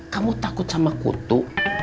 kamu takut sama kutu